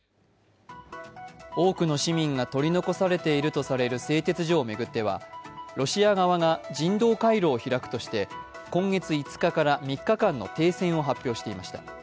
多くの市民が取り残されているとされる製鉄所を巡ってはロシア側が人道回廊を開くとして今月５日から３日間の停戦を発表していました。